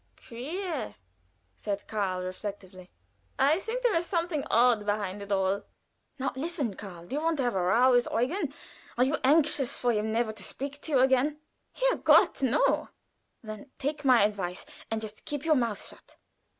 "Queer!" said Karl, reflectively. "I think there is something odd behind it all." "Now listen, Karl. Do you want to have a row with Eugen? Are you anxious for him never to speak to you again?" "Herrgott, no!" "Then take my advice, and just keep your mouth shut.